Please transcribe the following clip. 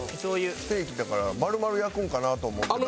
ステーキだから丸々焼くんかなと思ってたら。